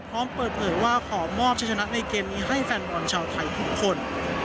พร้อมเปิดเผยว่าขอมอบชะชนะในเกมนี้ให้แฟนบอลชาวไทยทุกคน